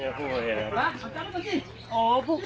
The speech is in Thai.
เอ็ดพี่ยังไม่พูดไหม